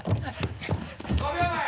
５秒前。